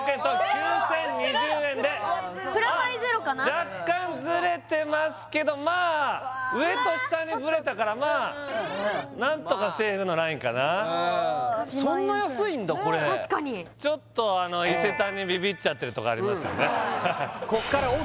９０２０円で若干ズレてますけどまあうわ上と下にズレたからまあ何とかセーフのラインかなこれ確かにちょっとあの伊勢丹にビビっちゃってるとこありますよね